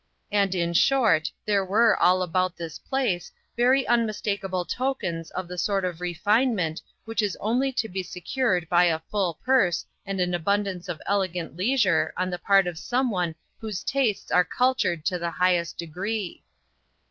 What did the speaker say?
And in short, there were all about this place very unmistakable tokens of the sort of refinement which is only to be secured by a full purse and an abundance of elegant leisure on the part of some one whose tastes are cultured to the highest degree.